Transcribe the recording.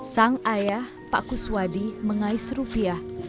sang ayah pak kuswadi mengais rupiah